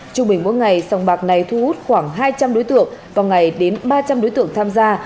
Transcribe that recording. trung bình mỗi ngày sòng bạc này thu hút khoảng hai trăm linh đối tượng và ngày đến ba trăm linh đối tượng tham gia